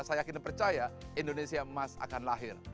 saya yakin percaya indonesia emas akan lahir